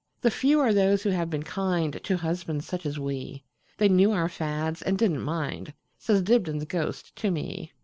The few are those who have been kindTo husbands such as we; They knew our fads, and did n't mind,"Says Dibdin's ghost to me.